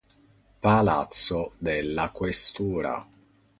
Palazzo della Questura